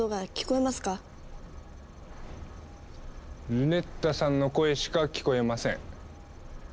ルネッタさんの声しか聞こえません。